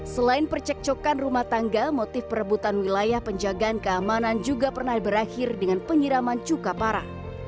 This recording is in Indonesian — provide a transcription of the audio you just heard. selain percekcokan rumah tangga motif perebutan wilayah penjagaan keamanan juga pernah berakhir dengan penyiraman cuka parah